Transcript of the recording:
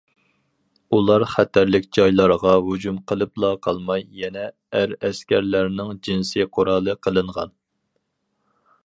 ئۇلار خەتەرلىك جايلارغا ھۇجۇم قىلىپلا قالماي، يەنە ئەر ئەسكەرلەرنىڭ جىنسىي قورالى قىلىنغان.